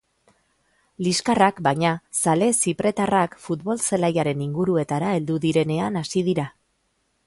Liskarrak, baina, zale zipretarrak futbol zelaiaren inguruetara heldu direnean hasi dira.